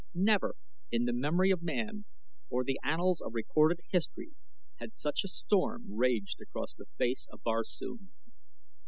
Never in the memory of man or the annals of recorded history had such a storm raged across the face of Barsoom.